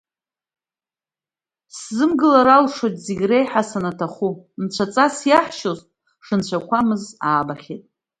Сзымгылар алшоит зегь реиҳа санаҭаху, нцәаҵас иаҳшьоз шынцәақәамыз аабахьеит.